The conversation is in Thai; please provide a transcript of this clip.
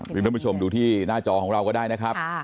คือท่านผู้ชมดูที่หน้าจอของเราก็ได้นะครับ